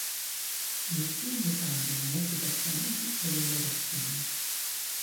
Nel film cambiano molti personaggi e le loro azioni.